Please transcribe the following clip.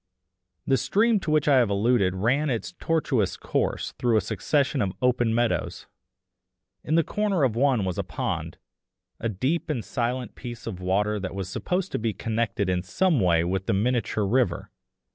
The stream to which I have alluded ran its tortuous course through a succession of open meadows. In the corner of one was a pond, a deep and silent piece of water that was supposed to be connected in some way with the miniature river.